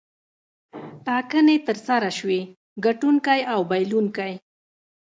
ټاکنې ترسره شوې ګټونکی او بایلونکی.